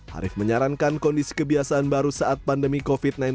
harif menyarankan kondisi kebiasaan baru saat pandemi covid sembilan belas